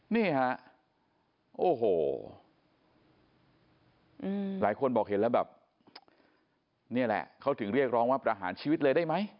นี่แหละเขาถึงเรียกร้องว่าประหารชีวิตเลยได้ไหม